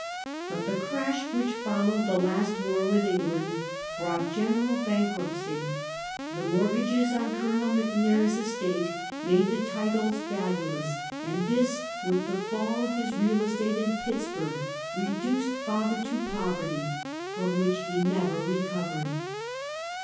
But the crash which followed the last war with Eng 12 Half a Centljby. land brouglit general bankruptcy; the mortgages on Col. McNair's estate made the titles valueless, and this, with the fall of his real estate in Pittsburg, re duced father to poverty, from which he never recovered.